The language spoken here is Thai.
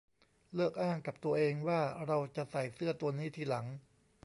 เลิกอ้างกับตัวเองว่าเราจะใส่เสื้อตัวนี้ทีหลัง